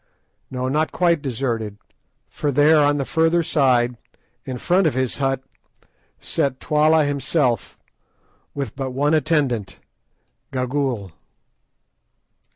No, not quite deserted, for there, on the further side, in front of his hut, sat Twala himself, with but one attendant—Gagool.